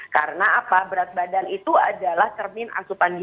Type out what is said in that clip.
karena apa berat badan itu adalah cermin asupan